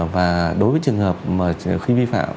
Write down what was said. và đối với trường hợp khi vi phạm